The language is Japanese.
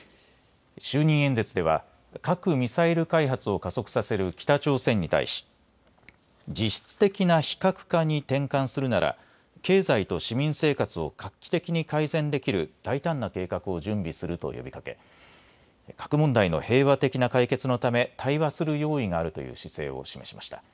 就任演説では核・ミサイル開発を加速させる北朝鮮に対し実質的な非核化に転換するなら経済と市民生活を画期的に改善できる大胆な計画を準備すると呼びかけ、核問題の平和的な解決のため対話する用意があるという姿勢を示しました。